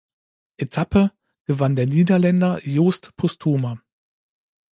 Etappe" gewann der Niederländer Joost Posthuma.